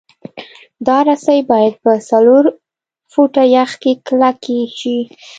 دا رسۍ باید په څلور فټه یخ کې کلکې شي